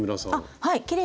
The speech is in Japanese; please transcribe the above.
はい。